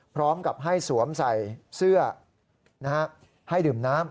พร้อมกับให้สวมใส่เสื้อให้ดื่มน้ำ